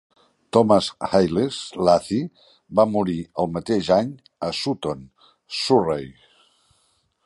Thomas Hailes Lacy va morir el mateix any a Sutton, Surrey.